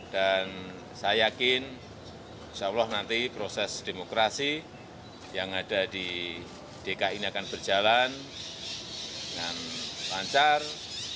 dan saya yakin insyaallah nanti proses demokrasi yang ada di dki ini akan berjalan dengan lancar bersih tertib